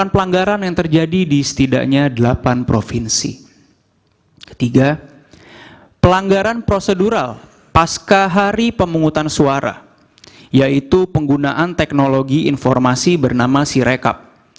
pelanggaran prosedural pasca hari pemungutan suara yaitu penggunaan teknologi informasi bernama sirekap